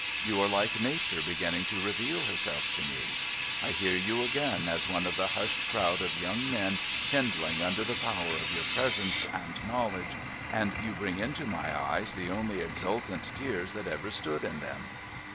You are like Nature beginning to reveal herself to me. I hear you again, as one of the hushed crowd of young men kindling under the power of your presence and knowledge, and you bring into my eyes the only exultant tears that ever stood in them.'